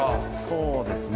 そうですね。